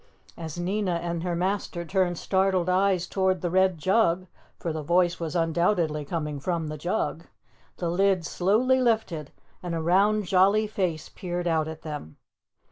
As Nina and her master turned startled eyes toward the red jug, for the voice was undoubtedly coming from the jug, the lid slowly lifted and a round jolly face peered out at them.